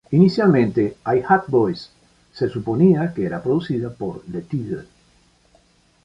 Inicialmente, "I Hate Boys" se suponía que era producida por Le Tigre.